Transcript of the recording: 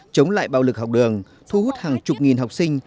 chống lại bạo lực học đường thu hút hàng chục nghìn học sinh